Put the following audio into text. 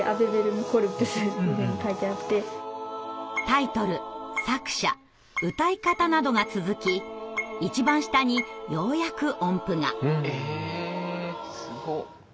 タイトル作者歌い方などが続き一番下にようやく音符が。